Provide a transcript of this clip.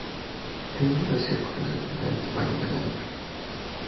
El número de círculos depende del tamaño del animal.